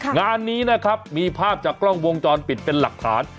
งานนี้นะครับมีภาพจากกล้องวงจรปิดเป็นหลักฐาน